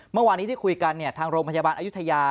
เมื่อวานนี้ที่คุยกันทางโรงพยาบาลอายุทยา